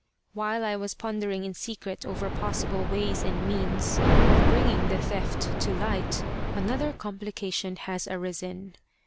While I was pondering in secret over possible ways and means of bringing the theft to light, another complication has arisen.